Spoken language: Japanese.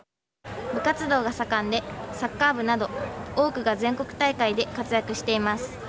部活動が盛んで、サッカー部など多くが全国大会で活躍しています。